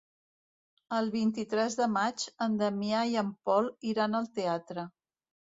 El vint-i-tres de maig en Damià i en Pol iran al teatre.